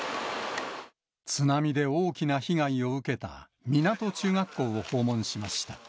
津波で大きな被害を受けた湊中学校を訪問しました。